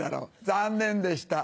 残念でした。